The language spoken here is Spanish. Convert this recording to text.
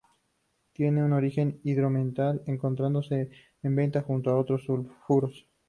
Tiene un origen hidrotermal, encontrándose en vetas junto a otros sulfuros.